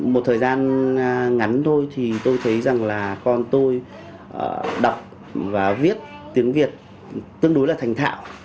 một thời gian ngắn thôi thì tôi thấy rằng là con tôi đọc và viết tiếng việt tương đối là thành thạo